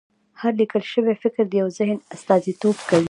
هر لیکل شوی فکر د یو ذهن استازیتوب کوي.